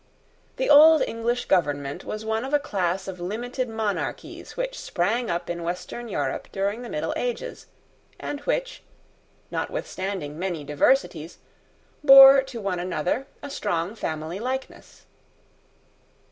The old English government was one of a class of limited monarchies which sprang up in Western Europe during the middle ages, and which, notwithstanding many diversities, bore to one another a strong family likeness.